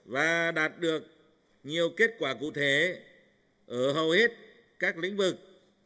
và đạt được nhiều kết quả cụ thể ở hầu hết các lĩnh vực